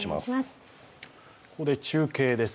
ここで中継です。